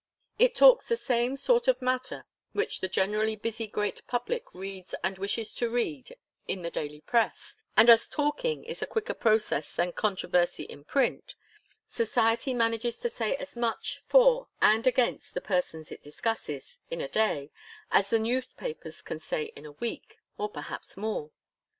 It talks the same sort of matter which the generally busy great public reads and wishes to read in the daily press and as talking is a quicker process than controversy in print, society manages to say as much for and against the persons it discusses, in a day, as the newspapers can say in a week, or perhaps more.